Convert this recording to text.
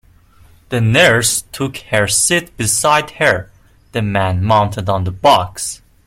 The nurse took her seat beside her; the man mounted on the box.